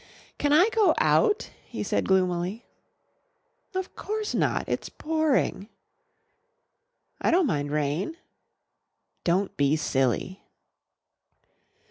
"Can I go out?" he said gloomily. "No, of course not. It's pouring." "I don't mind rain." "Don't be silly."